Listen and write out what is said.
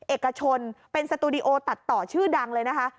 เอกชนเป็นสตูดิโอตัดต่อชื่อดังเลยนะคะ